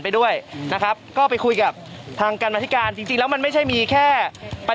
เปิดชักการมากจริงมันไม่ใช่มีแคต่อเข้า